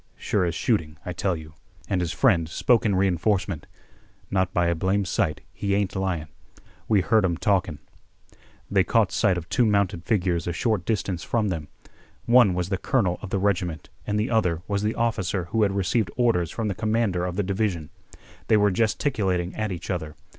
"Sure as shooting, I tell you." And his friend spoke in re enforcement. "Not by a blame sight, he ain't lyin'. We heard 'em talkin'." They caught sight of two mounted figures a short distance from them. One was the colonel of the regiment and the other was the officer who had received orders from the commander of the division. They were gesticulating at each other.